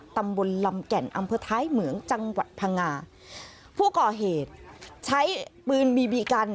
ตำบลลำแก่นอำเภอท้ายเหมืองจังหวัดพังงาผู้ก่อเหตุใช้ปืนบีบีกัน